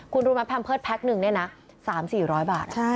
คุณรู้ไหมแพมเพิร์ตแพ็คหนึ่งเนี่ยนะ๓๔๐๐บาท